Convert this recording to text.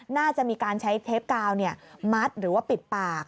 น่าจะมีการใช้เทปกาวมัดหรือว่าปิดปาก